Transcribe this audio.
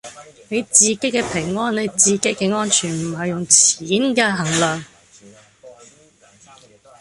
你自己嘅平安你自己嘅安全唔係用錢㗎衡量